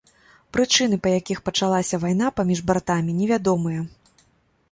Прычыны, па якіх пачалася вайна паміж братамі, невядомыя.